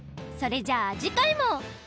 それじゃあじかいも。